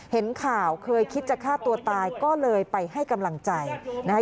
เห็นข่าวเคยคิดจะฆ่าตัวตายก็เลยไปให้กำลังใจนะคะ